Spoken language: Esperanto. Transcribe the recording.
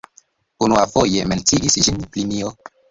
Unuafoje menciis ĝin Plinio.